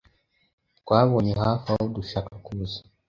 Twabonye hafi aho dushaka kuza.